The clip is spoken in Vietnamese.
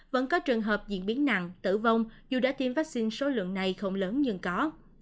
vẫn có trường hợp diễn biến nặng tử vong dù đã tiêm vaccine số lượng này không lớn nhưng có